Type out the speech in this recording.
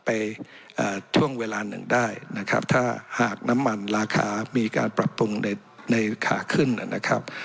ไปช่วงเวลาหนึ่งได้นะครับถ้าหากน้ำมันราคามีการปรับปรุงในในขาขึ้นนะครับ